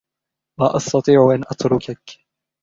لا أستطيع أن أتركك.